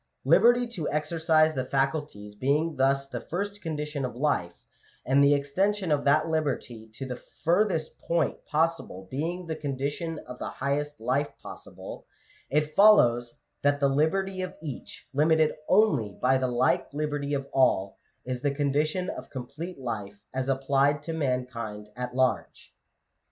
Liberty to exercise the faculties being thus the first condition of life, and the extension of that liberty to the furthest point possible being the condition of the highest life possible, it fol lows that the liberty of each, limited only by the like liberty of all, is the condition of complete life as applied to mankind at large.